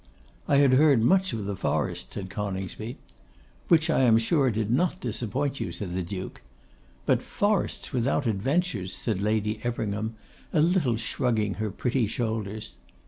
'I had heard much of the forest,' said Coningsby. 'Which I am sure did not disappoint you,' said the Duke. 'But forests without adventures!' said Lady Everingham, a little shrugging her pretty shoulders.